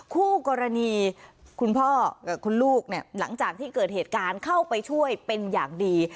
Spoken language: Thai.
คู่กรณีคุณพ่อกับคุณลูกเนี่ยหลังจากที่เกิดเหตุการณ์เข้าไปช่วยเป็นอย่างดี